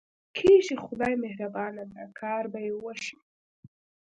کېږي، خدای مهربانه دی، کار به یې وشي.